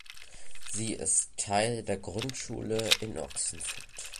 Sie ist Teil der Grundschule in Ochsenfurt.